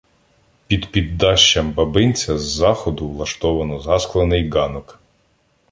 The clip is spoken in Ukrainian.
Під піддашшям бабинця з заходу влаштовано засклений ґанок.